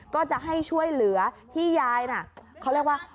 ก็จะให้ช่วยเหลือที่ยายน่ะเขาเรียกว่า